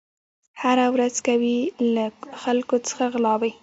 هره ورځ کوي له خلکو څخه غلاوي